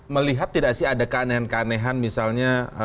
melihat tidak sih ada keanehan keanehan misalnya